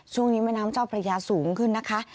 ช่วงนี้มะน้ำเจ้าพระยาสูงขึ้นนะคะ